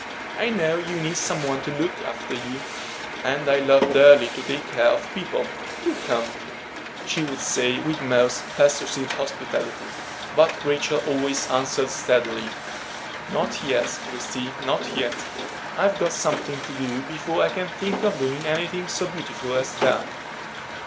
I know you need some one to look after you, and I love dearly to take care of people. Do come," she would say, with most persuasive hospitality. But Rachel always answered steadily: "Not yet, Christie, not yet. I've got something to do before I can think of doing any thing so beautiful as that.